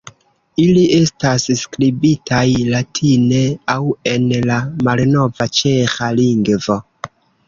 Ili estas skribitaj latine aŭ en la malnova ĉeĥa lingvo.